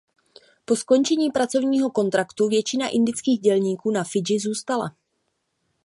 Po skončení pracovního kontraktu většina indických dělníků na Fidži zůstala.